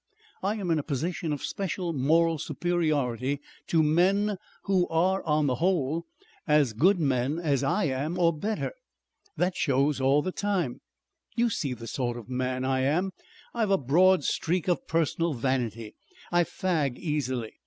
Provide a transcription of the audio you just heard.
I am in a position of special moral superiority to men who are on the whole as good men as I am or better. That shows all the time. You see the sort of man I am. I've a broad streak of personal vanity. I fag easily.